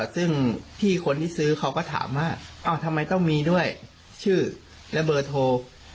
ซึ่งพี่คนที่ซื้อเขาก็ถามว่าทำไมต้องมีด้วยชื่อและเบอร์โทร